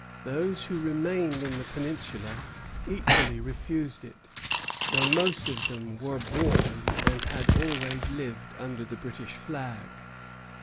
Those who remained in the peninsula equally refused it, though most of them were born and had always lived under the British flag.